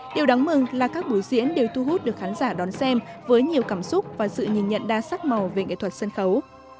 điều đáng mừng là các buổi diễn đều thu hút được khán giả đón xem với nhiều cảm xúc và sự nhìn nhận đa sắc màu về nghệ thuật sân khấu